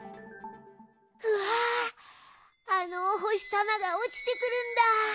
うわああのおほしさまがおちてくるんだ。